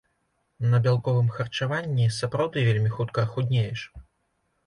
На бялковым харчаванні сапраўды вельмі хутка худнееш.